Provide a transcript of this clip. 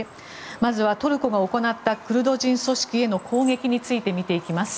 まずはトルコが行ったクルド人組織への攻撃について見ていきます。